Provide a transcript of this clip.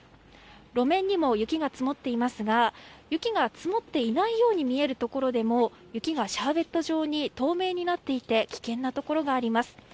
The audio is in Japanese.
路面にも雪が積もっていますが雪が積もっていないように見えるところでも雪がシャーベット状に透明になっていて危険なところがあります。